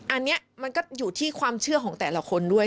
อันนี้มันก็อยู่ที่ความเชื่อของแต่ละคนด้วย